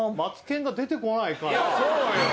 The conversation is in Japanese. そうよ。